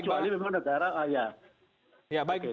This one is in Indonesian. kecuali memang negara ya